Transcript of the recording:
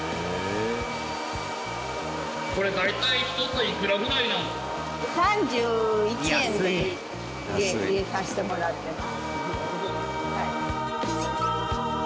これ大体１ついくらぐらいなんですか？で入れさせてもらってます。